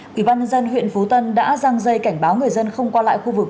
quỹ ban dân huyện phú tân đã rang dây cảnh báo người dân không qua lại khu vực